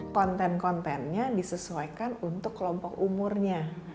konten kontennya disesuaikan untuk kelompok umurnya